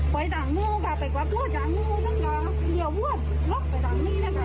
ไปกว่าทางนู่นนะคะลบไปทางนี่นะคะ